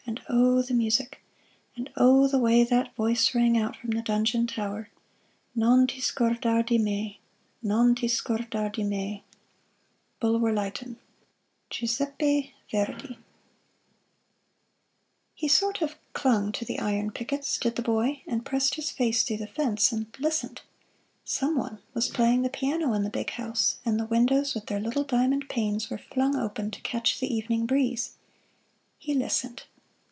And O, the music! and O, the way That voice rang out from the donjon tower, "Non ti scordar di me, Non ti scordar di me!" Bulwer Lytton GIUSEPPE VERDI He sort of clung to the iron pickets, did the boy, and pressed his face through the fence and listened. Some one was playing the piano in the big house, and the windows with their little diamond panes were flung open to catch the evening breeze. He listened.